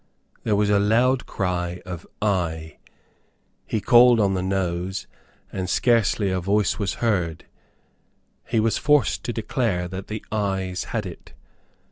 There was a loud cry of Aye. He called on the Noes; and scarcely a voice was heard. He was forced to declare that the Ayes had it.